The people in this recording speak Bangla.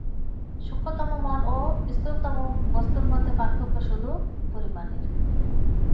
সূক্ষ্মতম মন ও স্থূলতম বস্তুর মধ্যে পার্থক্য শুধু পরিমাণের।